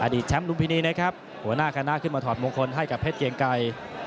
แชมป์ลุมพินีนะครับหัวหน้าคณะขึ้นมาถอดมงคลให้กับเพชรเกียงไกร